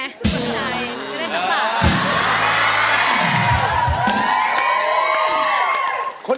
เฮ้มมหน่อยไม่รักนะ